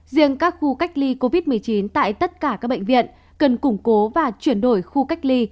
riêng các khu cách ly covid một mươi chín tại tất cả các bệnh viện cần củng cố và chuyển đổi khu cách ly